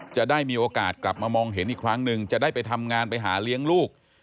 จะได้มีโอกาสกลับมามองเห็นอีกครั้งหนึ่งจะได้ไปทำงานไปหาเลี้ยงลูก